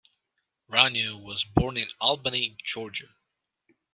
Ranew was born in Albany, Georgia.